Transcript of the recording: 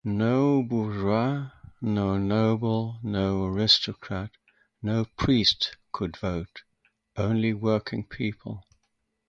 No bourgeois, no noble, no aristocrat, no priest could vote - only working people.